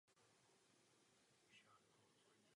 V tuto chvíli nevíme ani to.